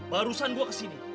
barusan gue kesini